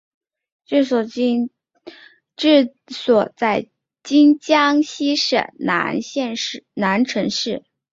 治所在今江西省南城县。